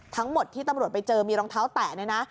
ทั้งหมดที่ตำรวจไปเจอมีรองเท้าแตะเนี่ยนะ